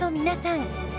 皆さん。